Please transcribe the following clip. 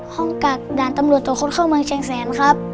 ห้องกักด่านตำรวจต่อคดเข้าเมืองช่างแสนครับ